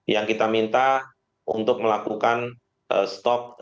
yang kita minta untuk melakukan stok real